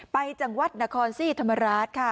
ไปจังหวัดนะครสี่ธรรมราชค่ะ